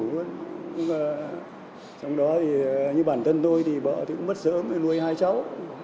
nhưng mà trong đó như bản thân tôi thì bợ thì cũng mất sớm nuôi hai cháu